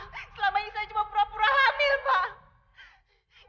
selama ini saya cuma pura pura hamil pak